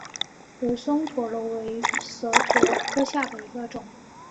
蜈蚣蛇螺为蛇螺科下的一个种。